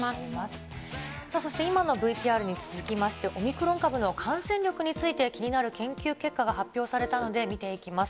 さあそして、今のＶＴＲに続きまして、オミクロン株の感染力について気になる研究結果が発表されたので見ていきます。